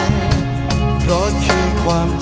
ยังเพราะความสำคัญ